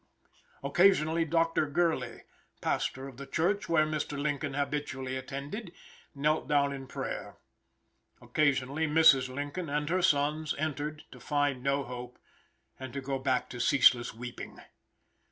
Occasionally Dr. Gurley, pastor of the church where Mr. Lincoln habitually attended, knelt down in prayer. Occasionally Mrs. Lincoln and her sons, entered, to find no hope and to go back to ceaseless weeping.